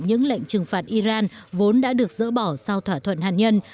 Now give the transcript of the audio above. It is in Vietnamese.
những lệnh trừng phạt iran vốn đã được dỡ bỏ sau thỏa thuận hạt nhân